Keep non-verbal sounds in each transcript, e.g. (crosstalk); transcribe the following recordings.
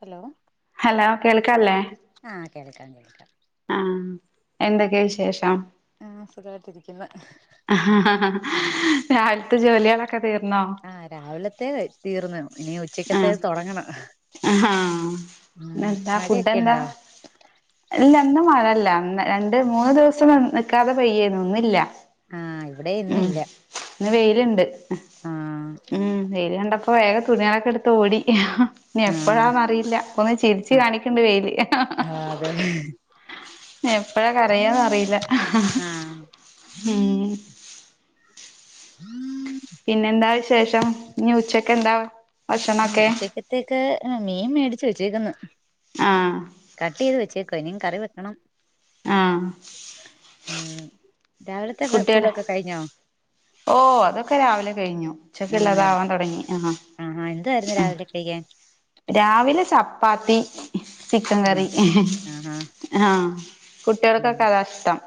Hello, hello, കേൾക്കണില്ലേ ആഹ് കേൾക്കാ കേൾക്കാ ആഹ് എന്തൊക്കെ വിശേഷം ആഹ് സുഖായിട്ടിരിക്കുന്ന്. ഉം രാവിലത്തെ ജോലികളൊക്കെ തീർന്നോ, ആഹ് രാവിലത്തെ കയ് തീർന്നു ഇനി ഉച്ചയ്ക്കത്തേത് തുടങ്ങണം. ഹ ആഹ് പിന്നെന്താ മഴയൊക്കെ ഫുഡെന്താ ഇണ്ടോ ഇല്ല ഇന്നു മഴല്ല അന്ന് രണ്ട് മൂന്ന് ദിവസം നിക്കാതെ പെയ്യേരുന്നു ഇന്നില്ല ആഹ് ഇവിടെ ഉം ഇന്നില്ല ഇന്ന് വെയിലുണ്ട് ആഹ് ഉം വെയില്കണ്ടപ്പ അപ്പൊ വേഗം തുണികളൊക്കെ എടുത്ത് ഓടി, ഇനി ആഹ് എപ്പഴാന്നറിയില്ല ഇപ്പൊന്ന് ചിരിച്ച് ആഹ് കാണിക്ണ്ട് വെയില്, ആഹ് അതെ എപ്പഴാ കരയന്ന് അറിയില്ല ആഹ് ഉം ഉം (inaudible) പിന്നെന്താ വിശേഷം ഇനി ഉച്ചക്കെന്താ ഉം ഉച്ചക്കത്തേക്ക് ഉം മീൻ മേടിച്ചു വെച്ചേക്ക്ന്ന് ആഹ് കട്ട്യ്ത് വെച്ചേക്കുവാ ഇനിയും കറി വെക്കണം, ആഹ് ഉം രാവിലത്തെ വ ഫുഡൊക്കെ കഴിഞ്ഞോ, ഓഹ് അതൊക്കെ രാവിലെ കഴിഞ്ഞു ഉച്ചക്കുള്ളതാവാൻ തുടങ്ങി ആഹ്. ആഹ് എന്താവായിരുന്നു ആഹ് രാവിലെ കയിക്കാൻ രാവിലെ ചപ്പാത്തി ചിക്കൻ കറി. ആഹാ ആഹ് ആഹ് കുട്ടികൾക്കൊക്കെ അതാ ഇഷ്ടം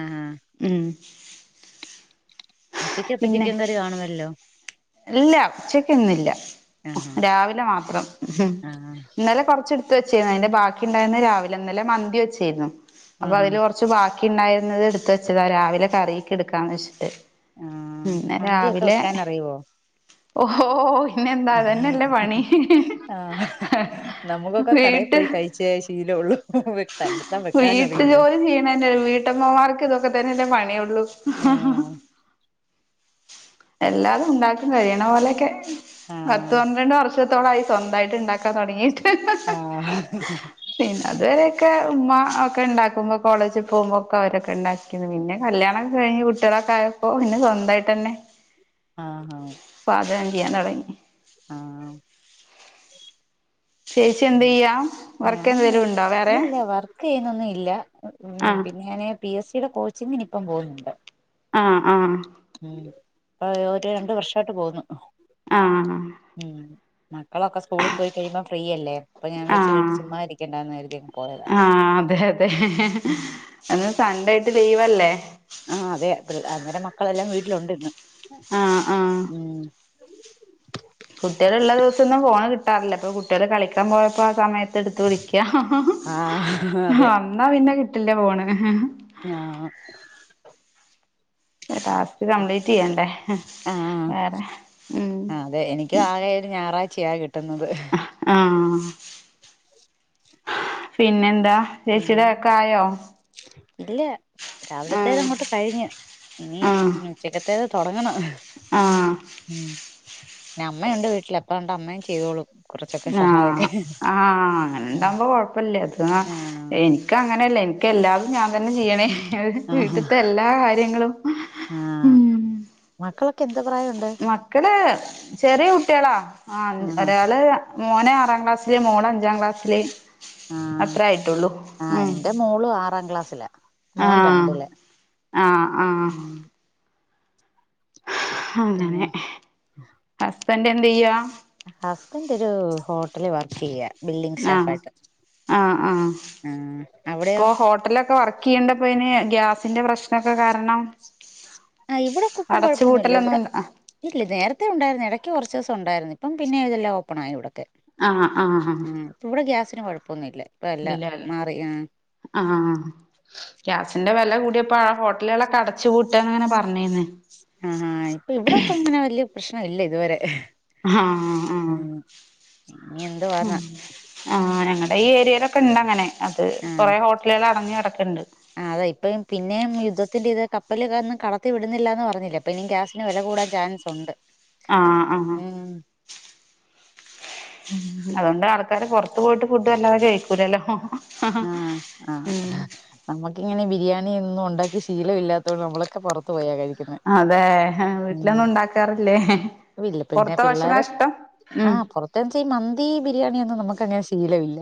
ആഹ് ഉം. ഉച്ചക്ക് അപ്പ പിന്നെ ചിക്കൻ കറി കാണുവല്ലോ, ഇല്ല ഉച്ചക്ക് ഇന്നില്ല ആഹാ രാവിലെ മാത്രം ആഹ് ഇന്നലെ കൊറച് തുവെച്ചീന്നു അയ്‌ന്റെ ബാക്കി ണ്ടായിന്ന് രാവിലെന്നലെ മന്തിവച്ചായിരുന്നു അപ്പൊ ആഹാ അതില് കൊർ ച്ചു ബാക്കിയ്ണ്ടായിരുന്നത് എടുത്തെച്ചതാ രാവിലെ കറീക്കെടുക്കാന്നെച്ചിട്ട് ആഹ് പിന്നെ മന്തിയൊക്കെ രാവിലെ വെക്കാനറിയുവോ? ഒഹോയ് ആഹ് നമുക്കൊക്കെ കടെ വീട്ട് പോയി കഴിച്ചേ ശീലവൊള്ളൂ വീട്ടു ജോലി ചെയ്യണേൻ്റ വീട്ടമ്മമാർക്ക് ഇതൊക്കെ തന്നെല്ലെ പണിയൊള്ളു ഹഹഹഹ ആഹ് എല്ലാതും ഉണ്ടാ (unintelligible) കഴിയണ പോലെയെക്കെ പത്ത് ആഹ് പന്ത്രണ്ട് വർഷത്തോളായി സ്വന്തായിട്ട് ഇണ്ടാക്കാൻ തൊടങ്ങിട്ട്ഹ് ഹ് ആഹ് പിന്നതുവരെക്കെ ഉമ്മ ഒക്കെണ്ടാക്കുമ്പോ കോളേജി പോമ്പോക്കെ അവരൊക്കെ ഇണ്ടാക്ക ക്കിന് പിന്നെ കല്യാണക്കെ കഴിഞ്ഞ് കുട്ട്യളൊക്കെ ആയപ്പോ പിന്നെ സ്വന്തായിട്ടന്നെ ആഹ് ആഹ് പാചകം ചെയ്യാൻ തൊടങ്ങി ആഹ് ചേച്ചി എന്ത് ചെയ്യാ വർക്ക് ഞാന് എന്തേലും ഉണ്ടോ വേറെ ഇല്ല വർക്കെയ്യ്ണൊന്നും ഇല്ല ആഹ് പിന്നെ ഞാന് പി എസീടെ കോച്ചിങ്ങിന് ഇപ്പം പോകുന്നുണ്ട് ആഹ് ആഹ് ഉം പ്പ ഒര് രണ്ട് വർഷായിട്ട് പോന്ന് ആഹ് ആഹ് ഉം മക്കളൊക്കെ സ്കൂളി പോയി കഴിയുമ്പം ഫ്രീയല്ലേ അപ്പൊ ഞാൻ വെച്ച് വീട്ടി ആഹ് ചുമ്മാ ഇരിക്കണ്ടാന്ന് കരുതിയങ്ങ് പോയതാ ആഹ് അതെ അതെ ഉം ഇന്ന് സൺഡേയിട്ട് ലീവല്ലേ ആഹ് അതെ പിള്ള അന്നേരം മക്കളെല്ലാം വീട്ടിലുണ്ടിന്ന് ആഹ് ആഹ് ഉം കുട്ട്യള് ള്ള ദിവസൊന്നും ഫോണ് കിട്ടാറില്ല പ്പൊ കുട്ടികള് കളിക്കാൻ പോയപ്പോ ആ സമയ ത്തെടുത്ത് വിളിക്ക്യ ആഹ് അതെ വന്നാ പിന്നെ കിട്ടില്ല്യ ഫോണ് ഞാഹ് ങ്ങടെ ടാസ്ക് കംപ്ലീറ്റിയ്യണ്ടേ ആഹ് ആതെ എനിക്കും ആകെ ഒരു ഞാറാച്ചയാ കിട്ടുന്നത് ആഹ് ആ പിന്നെന്താ പിന്നെ ചേച്ചിയുടെ ഒക്കെ ആയോ ഇല്ല ആഹ് രാവിലത്തേതങ്ങോട്ട് കഴിഞ്ഞ് ഇനി ആഹ് ഉച്ചക്കത്തേത് തൊടങ്ങണം ആഹ് ഉം നെ അമ്മയുണ്ട് വീട്ടില് എപ്പാണ്ട് അമ്മയും ചെയ്തോളും കുറച്ചൊക്കെ ആഹ് സഹായൊക്കെ ആ ഉം അങ്ങനെണ്ടാമ്പോ കൊഴപ്പല്ല ആഹ് (unintelligible) എന്ക്ക് അങ്ങനെയല്ല എനിക്കെല്ലാതും ഞാൻ തന്നെ ചെയ്യണേ ആഹ് ഒരുവീട്ടിത്തെ എല്ലാ കാര്യങ്ങളും ആഹ് മക്കളൊക്കെ എന്തൊ പ്രായവൊണ്ട് മക്കള് ചെറിയ കുട്ടികളാ ആ ആഹ് ഒരാള് മോന് ആറാം ക്ലാസ്സില് മോളഞ്ചാം ക്ലാസ്സില് അത്രേ ആയിട്ടൊള്ളൂ ഉം മോളു ആറാം ക്ലാസ്സിലാ ആ മോൻ രണ്ടില് ആ ആ ഉം പിന്നെ ഹങ്ങനെ ഹസ്ബന്റെന്തീയ്യാ ഹസ്ബൻഡൊരു ഹോട്ടലി വർക്കെയ്യാ ആഹ് ആഹ് ആഹ് ആഹ് അവിടെയോ പ്പൊ ഹോട്ടലൊക്കെ വർ ക്കിയണ്ടപ്പയ്ന് ഗ്യാസിന്റെ പ്രശ്നക്കെ കാരണം ആ അടച്ചു ഇവടെക്കുപുംകൊഴപ്പൊന്നുല്ല ഇവ്ടെ പൂട്ടലൊന്നും ഇല്ല നേരത്തെ ഒണ്ടായിരുന്ന്. എടയ്ക്ക് കൊറച്ചെസം ഒണ്ടായിരുന്ന് ഇപ്പം പിന്നെ ഇതെല്ലാം ഓപ്പണായി ഇവ്ടക്കെ ആ ആ ഉം പ്പവ്ടെ ഗ്യാസിന് കൊഴപ്പൊന്നുല്ല ഇപ്പ എല്ലാം മാറി ആ ആഹ് ഗ്യാസിന്റെ വെല കൂടിയപ്പാ ഹോട്ടലുകളൊക്കെ അടച് ച്ചുപൂട്ടാനങ്ങനെ പറഞ്ഞേന് ആഹ്ഹാ ഇപ്പൊവ്ടെപ്പങ്ങനെ വല്ല്യ പ്രശ്നവില്ല ഇതുവരെ ഹാഹ് ആഹ് ഉം ഇനി ഹ എന്തുവാന്ന ആഹ് ഞങ്ങടെ ഈ ഏരിയയിലൊക്കെ ഇണ്ടങ്ങനെ അത് കൊറെ ഹോട്ടലുകൾ അടഞ്ഞ് കെടക്ക്‌ണ്ട് ആ അതാ ഇപ്പം പിന്നെയും യുദ്ധത്തിന്റെത് കപ്പല് ഒന്നും കടത്തി വിടുന്നില്ല എന്ന് പറഞ്ഞില്ലെ അപ്പനിം ഗ്യാസ് ന് വെല കൂടാൻ ചാൻസുണ്ട് ആഹ് ആഹ് ഉം അതുകൊണ്ട് ആൾക്കാര് പൊറത്ത് പോയിട്ട് ഫുഡ് വല്ലാതെ കഴിക്കൂലല്ലോ ആഹ് ആഹ് ഉം നമ്മക്ക് ഇങ്ങനെ ബിരിയാണി ഒന്നും ഉണ്ടാക്കി ശീലമില്ലാത്തോണ്ട് നമ്മളൊക്കെ പൊറത്ത് പോയാ കഴിക്കുന്നെ അതെയ് ഉം വീട്ടിലൊന്നും ഉണ്ടാക്കാറില്ലേ ഇല്ല പൊറത്തെ ഭക്ഷണാ ഇഷ്ടം ഉം എന്ത്‌ വച്ചാ ഈ മന്തി ബിരിയാണിയൊന്നും നമുക്ക് അങ്ങനെ ശീലമില്ല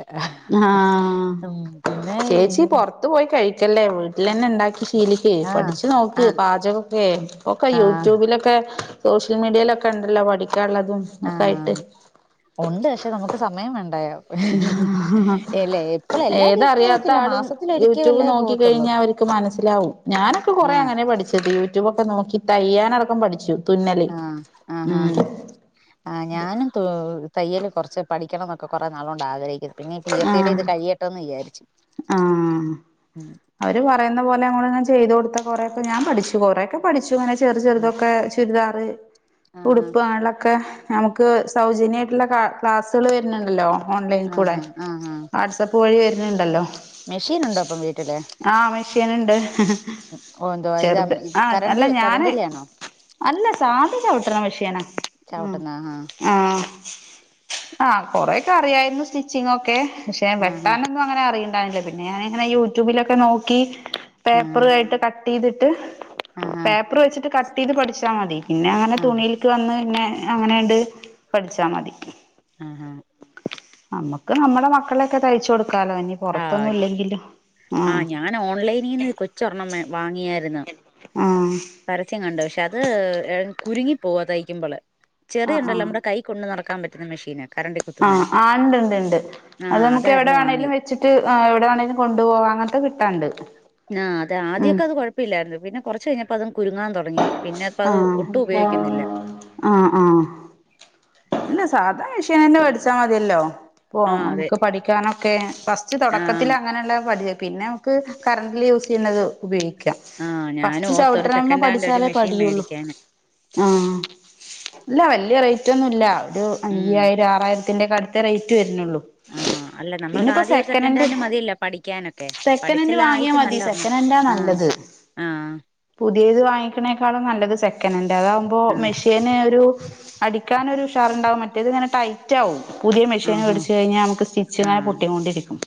ഹാഹ് ഉം പിന്നേ (unintelligible) ത്ത് പോയി കഴിക്കല്ലേ വീട്ടിലെന്നെ ഉണ്ടാക്കി ശീലിക്ക് ആഹ് പഠിച്ചു നോക്ക് ആഹ് പാചകൊക്കെ ഇപ്പൊക്കെ ആഹ് യൂട്യൂബിലൊക്കെ സോഷ്യൽ മീഡിയലൊക്കെ ഉണ്ടല്ലോ പഠിക്കാനുള്ളതും ഒക്കെ ആയിട്ട് ഒണ്ട് പക്ഷെ നമുക്ക് സമയം വേണ്ടായോ എല്ല എപ്പളും എല്ലാ വീക്കും ഏതറിയാത്ത പോവത്തില്ല മാസത്തിലൊരിക്കലല്ലേ പോവത്തുള്ളൂ ക്ക് മനസ്സിലാവും ഞാനൊക്കെ കൊറെ അങ്ങനെ പഠിച്ചത് യൂട്യൂബൊക്കെ നോക്കി തയ്യാനടക്കം പഠിച്ചു. തുന്നല് ആഹ് ഉം ആഹാ ആഹ് ഞാനും തു തയ്യല് കൊറച്ച് പഠിക്കണംന്നൊക്കെ കൊറെ നാള് കൊണ്ട് ആഗ്രഹിക്കുന്നു പിന്നെ പി എസ് സി യുടെ ഇത് ആഹ് കഴിയട്ടെ എന്ന് വിചാരിച്ചു ആഹ് ഉം അവര് പറയുന്ന പോലെ അങ്ങോട്ടങ്ങ് ചെയ്ത് കൊടുത്ത കൊറെക്കെ ഞാൻ പഠിച്ചു കൊറെക്കെ പഠിച്ചു അങ്ങനെ ചെറു ഉം ചെറുതൊക്കെ ചുരിദാറ് ആഹാ ഉടുപ്പ് അങ്ങനുള്ളൊക്കെ നമുക്ക് സൗജന്യയിട്ടുള്ള ക്ലാ ക്ലാസ്സുകള് വരുന്നുണ്ടല്ലോ ഓൺലൈന് കൂടെ ആഹാ ആഹാ വാട്സപ്പ് പോയി വരുന്നുണ്ടല്ലോ മെഷീൻ ഉണ്ടോ അപ്പം വീട്ടില് ആഹ് മെഷീനുണ്ട് ഓ എന്തുവാ ഇത് ചെറുത് ആഹ് കരണ്ട് അല്ല ഞാന് കരണ്ടിലാണോ അല്ല സാധ ചവിട്ടണ മെഷീനാ ചവിട്ടുന്നെ ആഹാ ആ ആഹ് ആഹ് കൊറെക്കെ അറിയായിരുന്നു സ്റ്റിച്ചിങ്ങൊക്കെ പക്ഷെ ആഹാ വെട്ടാനൊന്നും അങ്ങനെ അറിയ ട്ടാനില്ല പിന്നെ ഞാനിങ്ങനെ യൂട്യൂബിലൊക്കെ നോക്കി ആഹ് പേപ്പറയിട്ട് കട്ടിയ്തിട്ട്. ആഹാ പേപ്പറ് വെച്ചിട്ട് കട്ടെയ്ത് പഠ്ച്ചാ മതി പിന്നെ അങ്ങനെ ആഹ് തുണിയിൽക്ക് വന്ന് പിന്നെ അങ്ങനണ്ട്. പഠിച്ചാ മതി ആഹാ അമ്മക്ക് നമ്മടെ മക്കളെക്കെ തയ്ച്ചു കൊടുക്കാലോ ഇനി- പുറത്തൊന്നും ആഹ് ഇല്ലെങ്കിലും ആ ആഹ് ഞാന് ഓൺലൈനീന്ന് കൊച്ച് ഒരെണം മെ വാങ്ങിയായിരുന്നു. ആഹ് പരസ്യം കണ്ടു പക്ഷെ അത് കുരുങ്ങി പോക തയ്ക്കുമ്പള് ആഹ് ചെറിയതുണ്ടല്ലോ ആഹ് നമ്മടെ കൈ കൊണ്ടു നടക്കാൻ പറ്റുന്ന മെഷീന് കറണ്ട്. ആഹ് ആ ഇണ്ട്ണ്ട്. അത് നമുക്ക് എവിടെ അതായിരുന്നു വേണെലും വാങ്ങിയത് വെച്ചിട്ട് അ എവിടെ വേണേലും കൊണ്ട് പോവാ അങ്ങൻത്തെ കിട്ടാണ്ട്. ആഹ് അതേ ഉം ആദ്യോക്കെ അത് കൊഴപ്പില്ലായിരുന്നു പിന്നെ കൊറച്ച് കഴിഞ്ഞപ്പം അതങ്ങ് കുരുങ്ങാൻ തുടങ്ങി. പിന്നെ ഇപ്പ അത് ആഹ് ഒട്ടും ഉപയോഗിക്കുന്നില്ല ആഹ് ആഹ് ഇല്ല സാധാ മെഷീനന്നെ മേടിച്ചാ മതിയല്ലോ? ഇപ്പോ ആഹ് അതെ നമുക്ക് പഠിക്കാനൊക്കെ ഫസ്റ്റ് തൊടക്കത്തിൽ ആഹ് അങ്ങനെയുള്ള പഠിയ പിന്നെ ക്ക് കറന്റില് യൂസ് ചെയ്യ്ണത് ഉപയോഗി ആഹ് ഞാനു ഓർത്തൊരു സെക്കൻ്റ്ഹാൻഡ് ഒരു പഠിച്ചാലേ മെഷീൻ പഠിയുള്ളൂ മേടിക്കാന്. ആഹ് ഇല്ല വല്യ റേറ്റ് ഒന്നുല്ല ഒരു ഉം അയ്യായിരം, ആറായിരം. ത്തിന്റെ ഒക്കെ അടുത്തെ റേറ്റ് വരുന്നുള്ളൂ. ആഹ് അല്ല നമ്മൾക്ക് പിന്നെപ്പോ ആദ്യം ഒരു സെക്കൻഡ് സെക്കനൻഡ് ഹാൻഡ് മതിയല്ലോ പഠിക്കാനൊക്കെ സെക്കനൻഡ് പഠിച്ചെല്ല ആയിട്ട് വാങ്ങിയാൽ മതി നല്ല ഒരെണ്ണം. സെക്കനൻഡാ ആഹ് നല്ലത് ആഹ് (inaudible) പുതിയത് വാങ്ങിക്കുന്നേക്കാളും നല്ലത് സെക്കൻ് ആൻഡ് അതാവുമ്പോ ആഹ് മെഷീന് ഒരു അടിക്കാനൊരു ഉഷാറുണ്ടാവും മറ്റേത് ഇങ്ങനെ ടൈറ്റ ആകും പുതിയ മെഷീൻ ആഹാ മേടിച്ചു കഴിഞ്ഞാൽ നമുക്ക് സ്റ്റിച്ച്ങ്ങനെ ആഹ് പൊട്ടൊണ്ടിരിക്കും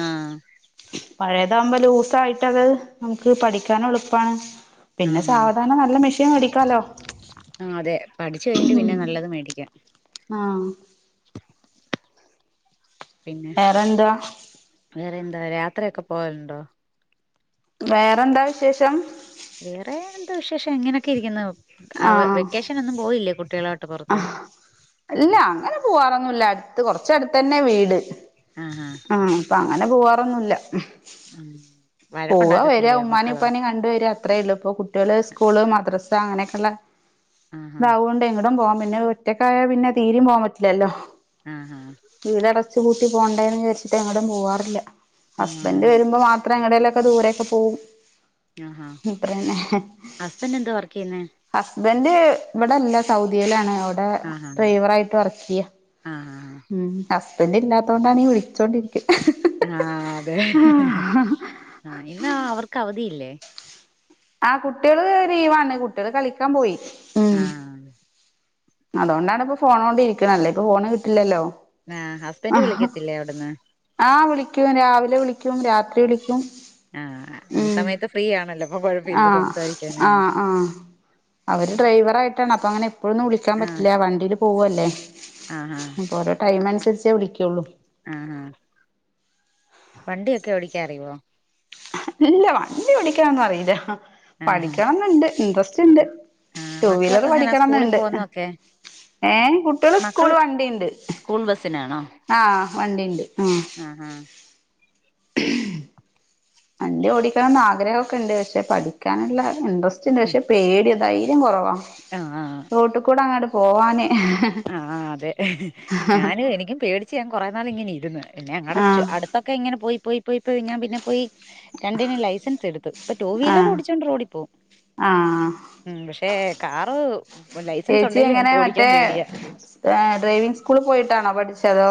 ആഹ് പഴയതകുമ്പോ ലൂസായിട്ടത് നമുക്ക് പഠിക്കാനും എളുപ്പമാണ് പിന്നെ ആഹാ സാവധാനം നല്ല മെഷീൻ മേടിക്കാലോ ആ അതെ പഠിച്ചു കഴിഞ്ഞിട്ട് പിന്നെ മം നല്ലത് മേടിക്ക ആഹ പിന്നെ (inaudible) വേറെന്താ വേറെ എന്താ യാത്രയൊക്കെ പോവലുണ്ടോ വേറെന്താ വിശേഷം വേറെ എന്തോ വിശേഷം എങ്ങനെയൊക്കെ ഇരിക്കുന്നു ആ വെക്കേഷനൊന്നും പോയില്ലേ കുട്ടികളാട്ട് പുറത്ത് ആ അല്ല അങ്ങനെ പോവാറൊന്നുമല്ല അടുത്ത് കൊറച്ച അടുത്ത തന്നെ വീട് ആഹാ ആഹ അപ്പൊ അങ്ങനെ പോവാറൊന്നുമല്ല മം പോവ വര ഉമ്മാ ഉപ്പാനയും കണ്ട വരിക അത്രേ ഉള്ളൂ ഇപ്പൊ കുട്ടികള് സ്കൂള് മദ്രസ അങ്ങനെയൊക്കെയുള്ളള്ള ആഹാ ഇതൊണ്ട് ഇങ്ങടും പോവാൻ പിന്നെ ഒറ്റക്കായ പിന്നെ തീരയും പോവാൻ പറ്റില്ലല്ലോ ഉം വീട് അടച്ചു കൂട്ടി പോണ്ടന്ന് വിചരിച്ചിട്ട് എങ്ങോടും പോവാറില്ല ഹസ്ബൻഡ് ആഹ് വരുമ്പോ മാത്രം ഇത്ര അങ്ങടെല്ലൊക്കെ ദൂരൊക്കെ പോകവും ആഹാ ഹസ്ബൻഡ എന്താ വർക്ക് ചെയ്യുന്നേ ഹസ്ബൻഡ് ഇവിടെല്ല സൗദിയിലാണ് അവിടെ ഡ്രൈവറ ആയിട്ട് വർക്ക് ചെയ്യ ആഹ ഹസ്ബൻഡറ് ഇല്ലാത്തണ്ടാണ് വിളിച്ചോണ്ടിരിക്കുന്നത്. ആഹ അതെ ആ ഇന്ന അവർക്ക് അവധിയില്ലേ? ആ കുട്ടികള് ലീവാണ് കുട്ടികള് കളിക്കാൻ പോയി ഉ ആഹ് അതുകൊണ്ടാണ് ഇപ്പൊ ഫോൺ കൊണ്ടിരിക്കണ അല്ലെങ്കിപ്പൊ ഫോണ് കിട്ടില്ലല്ലോ ആ ഹസ്ബൻറ് ആഹ് വിളിക്കത്തില്ലേ അവിടുന്ന് ആഹ് വിളിക്കും രാവിലെ വിളിക്കും രാത്രി വിളിക്കും ആഹ ഈ സമയത്ത് ഫ്രീ ആണല്ലോ അപ്പൊ കൊഴപ്പമില്ല ആഹ് സംസാരിക്കാന് ആഹ് ആഹ് അവര് ഡ്രൈവറായിയിട്ടാണ് അപ്പൊ അങ്ങനെ എപ്പോഴൊന്നും വിളിക്കാൻ ആഹ് പറ്റില്ല വണ്ടി പോവല്ലേ ആഹ് ആഹ് അപ്പോൾ ഓരോ ടൈം അനുസരിച്ചേ വിളിക്കയുള്ളൂ ആഹ ആഹ വണ്ടിയൊക്കെ ഓടിക്കാനറിയുമോ ഇല്ല വണ്ടി ഓടിക്കാന്നും അറിയില്ല ആഹ് ആഹ് പഠിക്കണന്ന്ണ്ട് ഇൻട്രസ്റ്റ് ഇണ്ട് ആഹ് ടു വീലർ മക്കളപ്പ എങ്ങനാ സ്കൂളിൽ പഠിക്കണംന്നുണ്ട് പോകുന്നൊക്കെ ഏഹ കുട്ടികള് മക്കള് സ്കൂള് വണ്ടിണ്ട് സ്കൂൾ ബസ്സിനാണോ ആഹ വണ്ടിണ്ട് ആ ആ ആം വണ്ടി ഓടിക്കണന്ന് ആഗ്രഹമൊക്കെ ഉണ്ട് പക്ഷെ പഠിക്കാനുള്ള ഇൻട്രസ്റ്റ് പക്ഷെ പേടിയ ധൈര്യം കുറവാ ആഹ റോട്ടിൽ കൂടെ അങ്ങോട്ട് പോവാന് ആ അതെ ഞാൻ എനിക്കും പേടിച്ച ഞാൻ കുറെ നാൾ ഇങ്ങനെ ഇരുന്ന് പിന്നെ അങ്ങടച്ചു ആഹ് അടു അതക്കെങ്ങനെ പോയി പോയി പോയി പോയി ഞാൻ പിന്നെ പോയി രണ്ടിനും ലൈസൻസ് എടുത്തു ഇപ്പൊ ടു വീലർ ആഹ് ഓടിച്ചോണ്ട് റോടി പോവും ആഹ് ഉം പക്ഷെ കാറ് ലൈസൻസ് ഉണ്ടെലും എനിക്ക് ഓടിക്കാൻ പേടിയാ ഡ്രൈവിംഗ സ്കൂളി പോയിട്ടാണോ പഠിച്ചതോ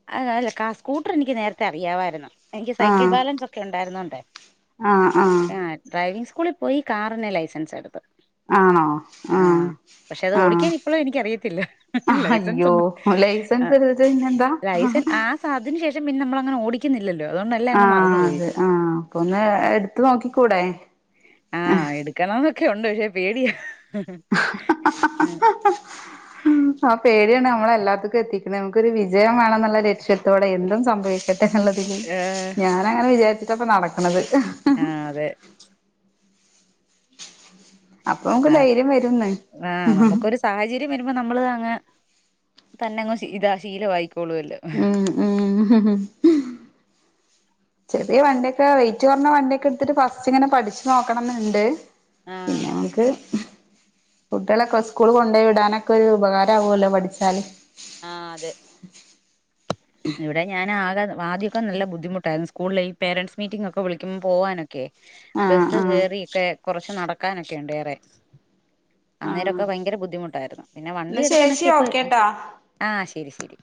അ അല്ല കാ ആ സ്കൂട്ടർ എനിക്ക് നേരത്തെ അറിയാമായിരുന്നു എനിക്ക് സൈക്കിൾ ആഹ് ബാലൻസ് ഒക്കെ ഉണ്ടായിരുന്നുണ്ടേ ആഹ് ആഹ് ആ ഡ്രൈവിംഗ് സ്കൂളിൽ പോയി കാറിന്റെ ലൈസൻസ് എടുത്തത്ത് ആണോ ആ ആഹ് പക്ഷെ അത് ആഹ് ഓടിക്കാനിപ്പളു എനിക്കറിയത്തില്ല അയ്യോ ലൈസെൻസൊണ്ട് അ ലൈസൻസ് എടുത്തിട്ട് പിന്നെന്താ ലൈസെൻ ആഹ് ആസതിനു ശേഷം പിന്നമ്മളങ്ങനോടിക്കിന്നില്ലല്ലോ അത്കൊണ്ടെല്ലം അങ്ങ് മറുന്നുപോയി ആ അപ്പൊ ഒന്ന് എട്ത്തുനോക്കിക്കൂടെ ആഹ് എടുക്കണോന്നൊക്കെ ഒണ്ട് പക്ഷെ പേടിയാ ഉം ഉം ഉം ആ പേടിയാണ് നമ്മളെല്ലാത്തുക്കു എത്തിക്ക്ണേ. നമ്ക്കൊരു വിജയം വേണന്നൊള്ള ലക്ഷ്യത്തോടെ എന്തും സംഭവിക്കട്ടെന്നുള്ള ഏഹ് ഞാനങ്ങനെ വിചാരിച്ചിട്ടപ്പനടക്കണത് ആഹ് അതെ അപ്പൊ നമ്ക്ക് ധൈര്യം വരുംന്നെ ആഹ് നമുക്കൊരു സാഹചര്യം വരുമ്പോ നമ്മള് അങ്ങ് തന്നെങ്ങ് ശീ ഇതാ ശീലവായിക്കോളൂവല്ലൊ ഉം ഉം ചെറിയ വണ്ടിയൊക്കെ വെയ്റ്റ് കൊറ്ഞ്ഞ വണ്ടിയൊക്കെടുത്തിട്ട് ഫസ്റ്റ് ഇങ്ങനെ പഠിച്ചു നോക്കണന്നിണ്ട് ആഹ് പിന്നെ നമുക്ക് കുട്ടികളൊക്കെ സ്കൂള് കൊണ്ടോയ് വിടാനൊക്ക ഒരു ഉപകാരാവൂല്ലോ പഠിച്ചാല് ആഹ് അതെ ഇവിടെ ഞാനാകെ ആദ്യയൊക്കനല്ല ബുദ്ധിമുട്ടാര്ന്നു. സ്കൂളിലെ ഈ പേരൻസ്മീറ്റിങ്ങൊക്ക വിളിക്കുമ് പോവാന് കെ ആഹ് ബസ് ആഹ് കേറിക്കെ കൊറ്ച്ച് നടക്കാനൊക്കെയൊണ്ട് ഏറെ ആഹ് അന്നേരവൊക്കെ ഭയ്ങ്കര ബുദ്ധിമുട്ടാരുന്നു. പിന്നെ വണ്ടി എന്നാ ചേച്ചി എട്ക്കാനൊക്കെ ഇപ്പ, ഓക്കേട്ടോ ആഹ് ശെരി ശെരി